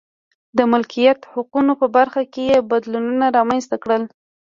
د مالکیت حقونو په برخه کې یې بدلونونه رامنځته کړل.